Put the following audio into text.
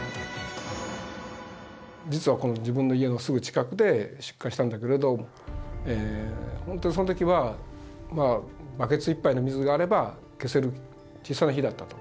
実は自分の家のすぐ近くで出火したんだけれど本当にその時はバケツ１杯の水があれば消せる小さな火だったと。